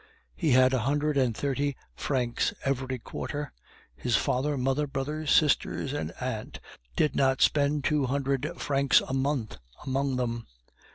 He had a hundred and thirty francs every quarter. His father, mother, brothers, sisters, and aunt did not spend two hundred francs a month among them.